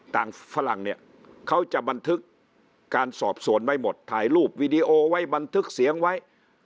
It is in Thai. ฝรั่งเนี่ยเขาจะบันทึกการสอบสวนไว้หมดถ่ายรูปวีดีโอไว้บันทึกเสียงไว้